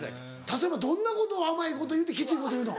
例えばどんな甘いことを言うてきついこと言うの？